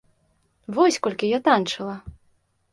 Вось колькі я танчыла!